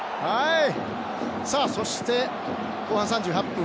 そして、後半３８分。